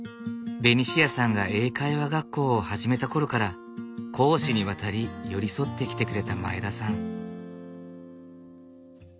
ベニシアさんが英会話学校を始めたころから公私にわたり寄り添ってきてくれた前田さん。